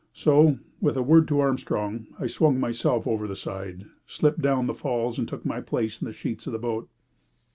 So, with a word to Armstrong, I swung myself over the side, slipped down the falls, and took my place in the sheets of the boat.